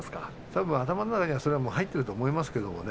たぶん頭の中にそれが入っていると思います。